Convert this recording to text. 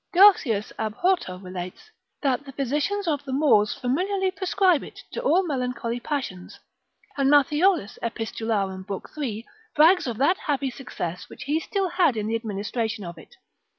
Garcias ab Horto, hist. lib. 1. cap. 65. relates, that the physicians of the Moors familiarly prescribe it to all melancholy passions, and Matthiolus ep. lib. 3. brags of that happy success which he still had in the administration of it.